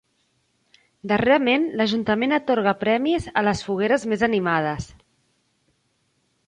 Darrerament l'ajuntament atorga premis a les fogueres més animades.